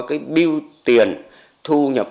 cái biêu tiền thu nhập